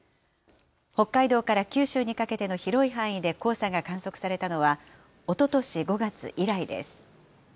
北海道から九州にかけての広い範囲で黄砂が観測されたのは、おととし５月以来です。